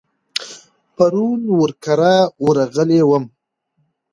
پرون ور کره ورغلی وم.